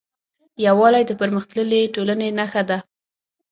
یووالی د پرمختللې ټولنې نښه ده.